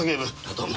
どうも。